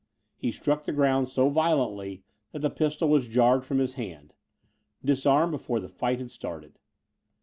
He struck the ground so violently that the pistol was jarred from his hand. Disarmed before the fight had started!